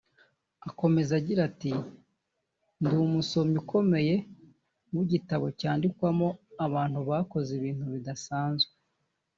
Akomeza agira ati “Ndi umusomyi ukomeye w’igitabo cyandikwamo abantu bakoze ibintu bidasanze